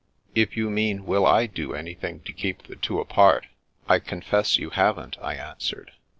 " If you mean, will I do anjrthing to keep the two apart, I confess you haven't," I answered.